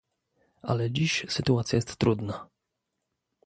Ale dziś sytuacja jest trudna